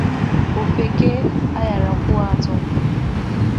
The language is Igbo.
Ofeke anyarakwuo atọ